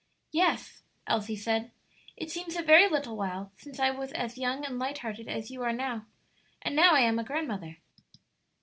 "Yes," Elsie said; "it seems a very little while since I was as young and light hearted as you are now, and now I am a grandmother."